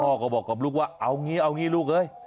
พ่อก็บอกกับลูกว่าเอาอย่างนี้เอาอย่างนี้ลูกเฮ้ย